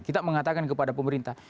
kita mengatakan kepada pemerintah